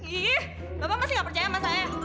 yehi bapak masih gak percaya sama saya